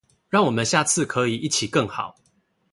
讓我們下次可以一起更好！